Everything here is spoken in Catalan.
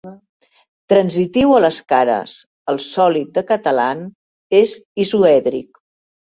Transitiu a les cares, el sòlid de Catalan és isoèdric.